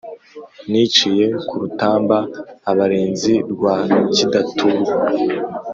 niciye ku rutamba abarenzi rwa kidaturwa,